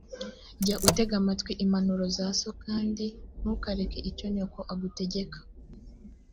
jya utega amatwi impanuro za so y kandi ntukareke icyo nyoko agutegeka